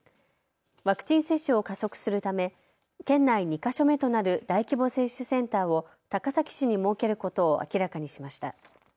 ワクチン接種を加速するため県内２か所目となる大規模接種センターを高崎市に設けることを明らかにしました。